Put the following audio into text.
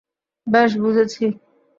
বেশ, বুঝেছি।